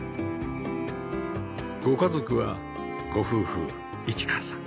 ご家族はご夫婦一歌さん